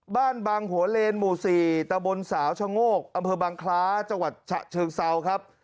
บางหัวเลนหมู่๔ตะบนสาวชะโงกอำเภอบังคล้าจังหวัดฉะเชิงเซาครับ